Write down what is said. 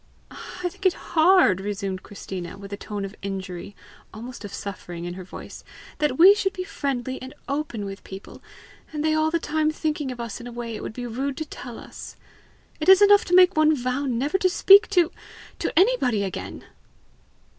"I think it hard," resumed Christina, with a tone of injury, almost of suffering, in her voice, "that we should be friendly and open with people, and they all the time thinking of us in a way it would be rude to tell us! It is enough to make one vow never to speak to to anybody again!"